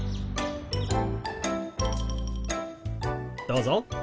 どうぞ。